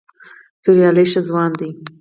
توریالی ښه ځوان دی.